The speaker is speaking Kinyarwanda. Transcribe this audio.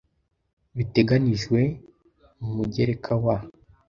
biteganijwe mu mugereka wa